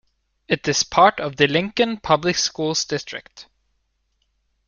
It is part of the Lincoln Public Schools district.